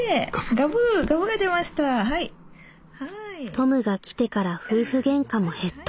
「トムが来てから夫婦げんかも減った」。